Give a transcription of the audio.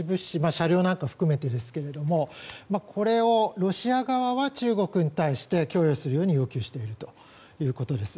車両などを含めてですがこれをロシア側は中国に対して供与するように要求しているということです。